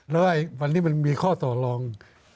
แล้ววันนี้มันมีข้อต่อรอง